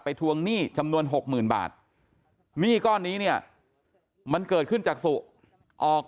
ทวงหนี้จำนวนหกหมื่นบาทหนี้ก้อนนี้เนี่ยมันเกิดขึ้นจากสุออก